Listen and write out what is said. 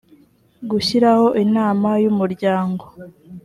gushyiraho inama y umuryango